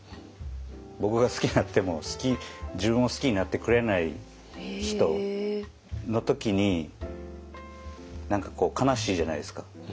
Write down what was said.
僕が好きになっても自分を好きになってくれない人の時に何かこう悲しいじゃないですか。